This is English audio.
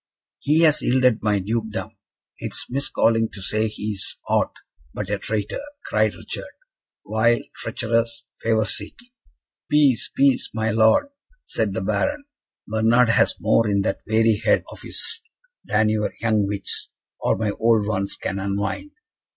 "He has yielded my dukedom! It is mis calling to say he is aught but a traitor!" cried Richard. "Vile, treacherous, favour seeking " "Peace, peace, my Lord," said the Baron. "Bernard has more in that wary head of his than your young wits, or my old ones, can unwind.